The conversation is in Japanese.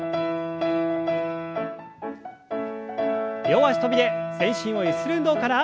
両脚跳びで全身をゆする運動から。